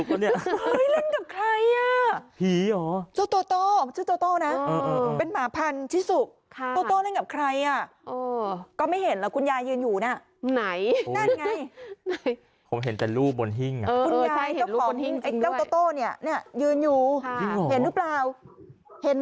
มันจะพยายามจะให้แบบตะกุยเราเหลือให้เราอุ้ม